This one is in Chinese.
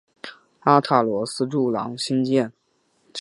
阿塔罗斯柱廊兴建。